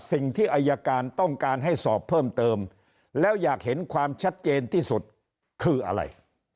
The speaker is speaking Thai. สิ่งที่อายการต้องการให้สอบเพิ่มเติมแล้วอยากเห็นความชัดเจนที่สุดคืออะไร